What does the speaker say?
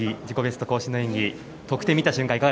自己ベスト更新の演技、得点を見た瞬間